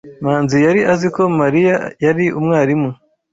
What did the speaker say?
Manzi yari azi ko Mariya yari umwarimu.